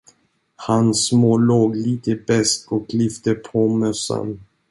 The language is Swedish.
Han smålog lite beskt och lyfte på mössan.